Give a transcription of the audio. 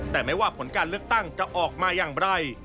แต่ไม่ว่าผลการเลือกตั้งจะออกมาอย่างไร